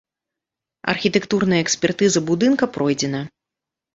Архітэктурная экспертыза будынка пройдзена.